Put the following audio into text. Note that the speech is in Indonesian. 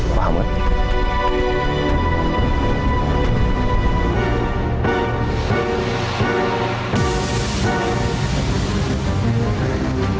paham bu andin